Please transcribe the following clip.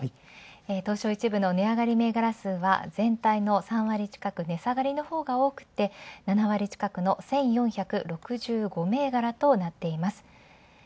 東証１部の値上がり銘柄数が全体の３割近く値下がりのほうが多くて７割近くの１４６５銘柄となっています。